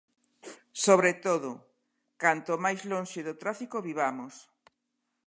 Sobre todo, canto máis lonxe do tráfico vivamos.